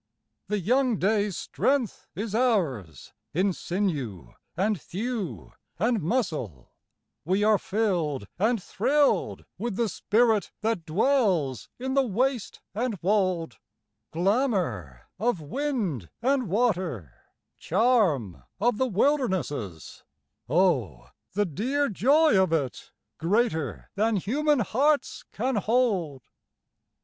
The young day's strength is ours in sinew and thew and muscle, We are filled and thrilled with the spirit that dwells in the waste and wold, Glamor of wind and water, charm of the wilderness es — Oh, the dear joy of it, greater than human hearts can hold!